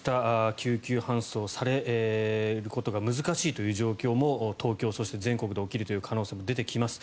救急搬送されることが難しいという状況も東京、そして全国で起きるという可能性も出てきます。